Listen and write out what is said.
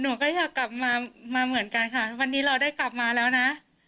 หนูก็อยากกลับมามาเหมือนกันค่ะวันนี้เราได้กลับมาแล้วนะ